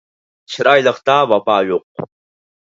چىرايلىقتا ۋاپا يوق